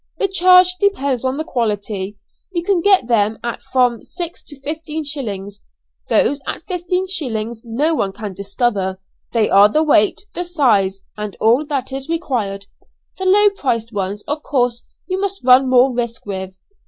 "The charge depends on the quality, you can get them at from six to fifteen shillings. Those at fifteen shillings no one can discover. They are the weight, the size, and all that is required. The low priced ones of course you must run more risk with.